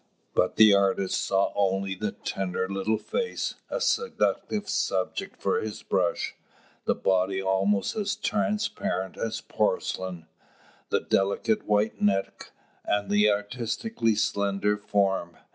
But the artist saw only the tender little face, a seductive subject for his brush, the body almost as transparent as porcelain, the delicate white neck, and the aristocratically slender form.